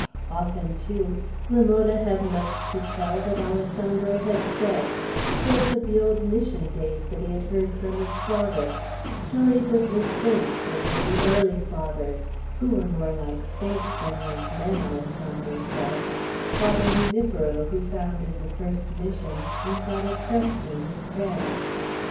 Often, too, Ramona had much to tell that Alessandro had said, tales of the old Mission days that he had heard from his father; stories of saints, and of the early Fathers, who were more like saints than like men, Alessandro said, Father Junipero, who founded the first Missions, and Father Crespi, his friend.